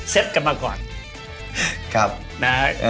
เซ็ตกันมาก่อน